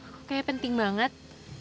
kok kayak penting banget